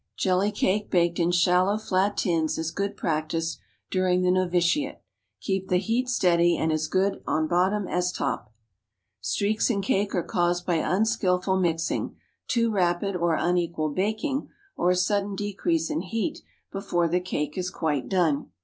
Jelly cake, baked in shallow flat tins, is good practice during the novitiate. Keep the heat steady, and as good at bottom as top. Streaks in cake are caused by unskilful mixing, too rapid or unequal baking, or a sudden decrease in heat before the cake is quite done.